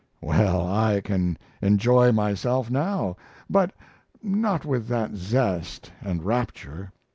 Well, I can enjoy myself now; but not with that zest and rapture.